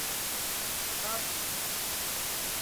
تیپ